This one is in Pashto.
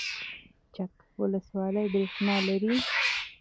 چک ولسوالۍ بریښنا لري؟